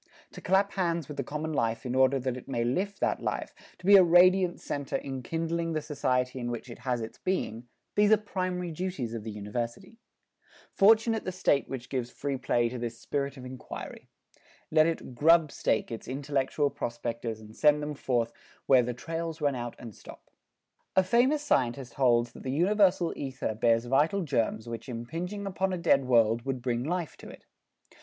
To clasp hands with the common life in order that it may lift that life, to be a radiant center enkindling the society in which it has its being, these are primary duties of the University. Fortunate the State which gives free play to this spirit of inquiry. Let it "grubstake" its intellectual prospectors and send them forth where "the trails run out and stop." A famous scientist holds that the universal ether bears vital germs which impinging upon a dead world would bring life to it.